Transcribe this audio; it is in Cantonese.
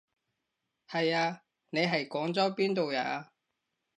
係啊，你係廣州邊度人啊？